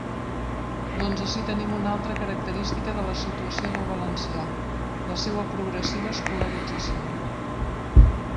Doncs ací tenim una altra característica de la situació del valencià: la seua progressiva escolarització.